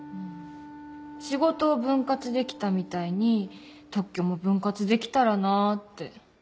仕事を分割できたみたいに特許も分割できたらなって。